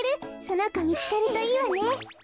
そのこみつかるといいわね。